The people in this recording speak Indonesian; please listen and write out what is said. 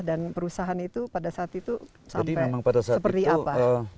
dan perusahaan itu pada saat itu seperti apa